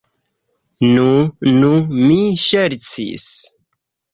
Nu, nu, mi ŝercis.